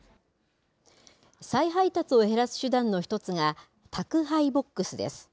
再配達を減らす手段の１つが、宅配ボックスです。